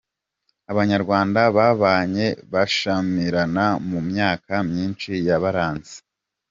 Abanyarwanda babanye bashyamirana mumyaka myinshi yabaranze.